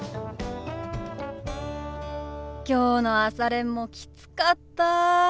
きょうの朝練もきつかった。